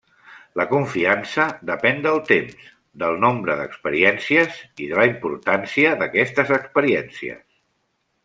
La confiança depèn del temps, del nombre d'experiències, de la importància d'aquestes experiències.